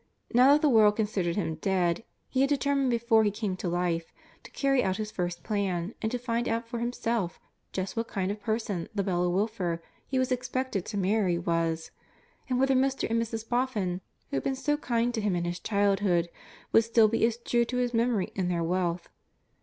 Now that the world considered him dead, he had determined, before he came to life, to carry out his first plan, and to find out for himself just what kind of person the Bella Wilfer he was expected to marry was, and whether Mr. and Mrs. Boffin, who had been so kind to him in his childhood, would still be as true to his memory in their wealth.